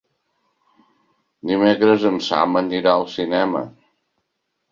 Dimecres en Sam anirà al cinema.